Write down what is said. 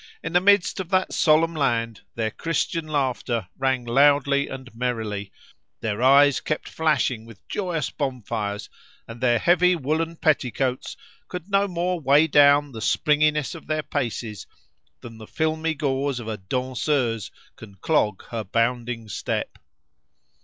in the midst of that solemn land their Christian laughter rang loudly and merrily, their eyes kept flashing with joyous bonfires, and their heavy woollen petticoats could no more weigh down the springiness of their paces, than the filmy gauze of a danseuse can clog her bounding step.